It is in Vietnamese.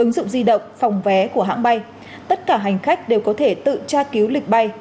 ứng dụng di động phòng vé của hãng bay tất cả hành khách đều có thể tự tra cứu lịch bay